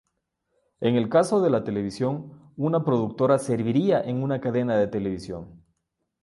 En el caso de la televisión, una productora serviría en una cadena de televisión.